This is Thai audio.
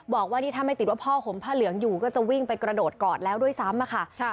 บอกว่านี่ถ้าไม่ติดว่าพ่อห่มผ้าเหลืองอยู่ก็จะวิ่งไปกระโดดกอดแล้วด้วยซ้ำอะค่ะ